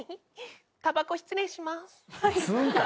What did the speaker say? たばこ失礼します。